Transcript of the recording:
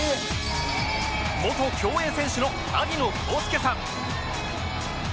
元競泳選手の萩野公介さん